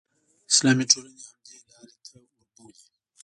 اسلامي ټولنې همدې غلطې لارې ته وربولي.